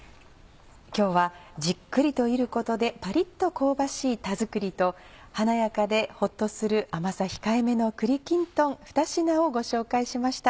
今日はじっくりと炒ることでパリっと香ばしい「田作り」と華やかでほっとする甘さ控えめの「栗きんとん」ふた品をご紹介しました。